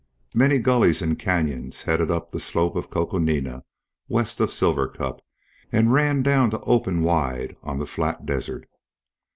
Many gullies and canyons headed up on the slope of Coconina west of Silver Cup, and ran down to open wide on the flat desert.